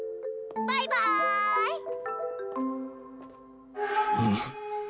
バイバーイ！